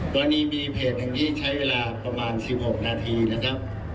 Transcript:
ตอนนี้มีเพจหนึ่งที่ใช้เวลาประมาณ๑๖นาทีนะครับ